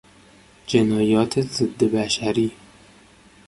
جنایات ضد بشری